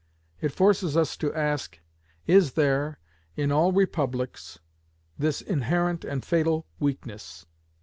It forces us to ask, 'Is there, in all Republics, this inherent and fatal weakness?